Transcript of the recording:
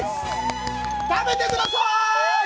食べてください！